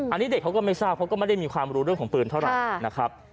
อันนี้เด็กเขาก็ไม่ทราบเขาก็ไม่ได้มีความรู้เรื่องของปืนเท่าไหร่นะครับ